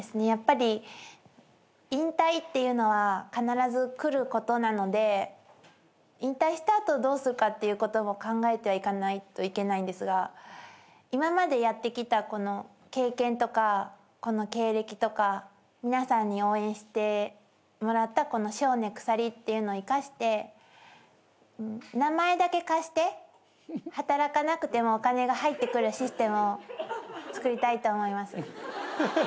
やっぱり引退っていうのは必ず来ることなので引退した後どうするかっていうことも考えていかないといけないんですが今までやってきたこの経験とかこの経歴とか皆さんに応援してもらったこの庄根久紗里っていうのを生かして名前だけ貸して働かなくてもお金が入ってくるシステムをつくりたいと思います。